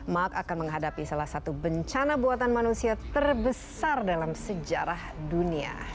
mark akan menghadapi salah satu bencana buatan manusia terbesar dalam sejarah dunia